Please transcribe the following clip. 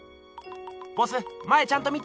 ボス前ちゃんと見て。